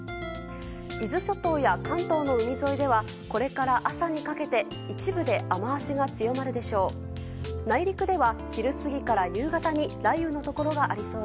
伊豆諸島や関東の海沿いではこれから朝にかけて一部で雨脚が強まるでしょう。